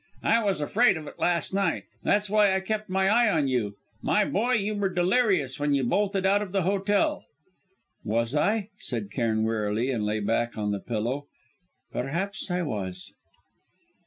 I was afraid of it, last night. That's why I kept my eye on you. My boy, you were delirious when you bolted out of the hotel!" "Was I?" said Cairn wearily, and lay back on the pillow. "Perhaps I was."